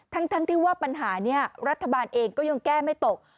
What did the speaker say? ทั้งที่ว่าปัญหานี้รัฐบาลเองก็ยังแก้ไม่ตก